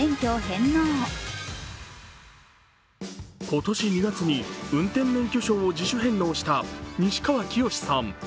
今年２月に運転免許証を自主返納した西川きよしさん。